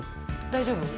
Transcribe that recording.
大丈夫？